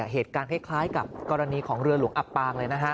เหตุการณ์คล้ายกับกรณีของเรือหลวงอับปางเลยนะฮะ